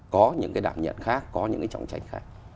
có những cái đảm nhận khác có những cái chống tranh khác